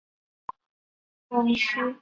广西越桔为杜鹃花科越桔属下的一个种。